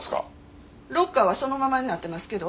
ロッカーはそのままになってますけど。